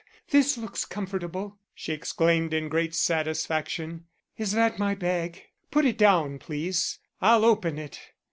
"Ah, this looks comfortable," she exclaimed in great satisfaction. "Is that my bag? Put it down, please. I'll open it.